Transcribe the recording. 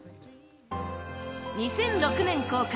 ２００６年公開